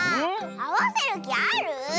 あわせるきある？